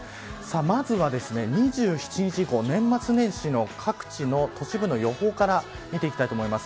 まずは２７日以降、年末年始の各地の都市部の予報から見ていきたいと思います。